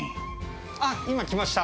あ、今来ました。